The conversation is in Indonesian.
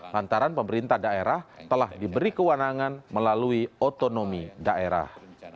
lantaran pemerintah daerah telah diberi kewenangan melalui otonomi daerah